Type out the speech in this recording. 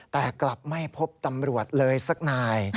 แต่กลับไม่พบตำรวจเลยสักนาย